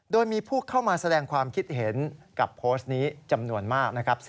โดยมีผู้เข้ามาแสดงความคิดเห็นกับโพสต์นี้จำนวนมากนะครับ